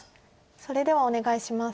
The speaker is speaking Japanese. それではお願いします。